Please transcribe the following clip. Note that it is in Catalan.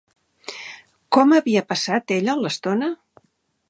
Com havia passat ella l'estona?